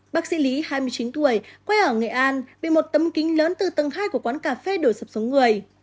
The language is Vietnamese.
bác sĩ lý hai mươi chín tuổi quay ở nghệ an bị một tâm kính lớn từ tầng hai của quán cà phê đổi sập xuống người